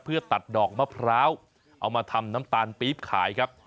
เพื่อตัดดอกมะพร้าวเอามาทำน้ำตาลปี๊บขายครับ